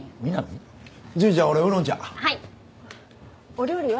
お料理は？